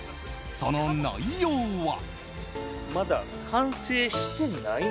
その内容は。